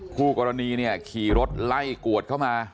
คู่กรณีเนี่ยขี่รถไล่กวดเข้ามา